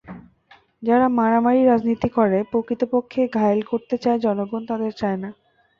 যারা মারামারির রাজনীতি করে প্রতিপক্ষকে ঘায়েল করতে চায় জনগণ তাঁদের চায় না।